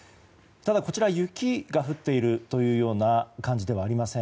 ただ、こちら雪が降っている感じではありません。